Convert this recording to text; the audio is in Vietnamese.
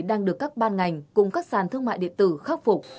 đang được các ban ngành cùng các sàn thương mại điện tử khắc phục